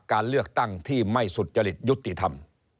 การเลือกตั้งที่ไม่สุจริตยุติธรรม